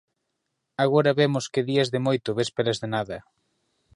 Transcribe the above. Agora vemos que días de moito, vésperas de nada.